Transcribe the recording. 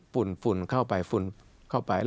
ฝุ่นเข้าไปฝุ่นเข้าไป